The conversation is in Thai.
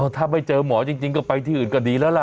ถ้าไม่เจอหมอจริงก็ไปที่อื่นก็ดีแล้วล่ะ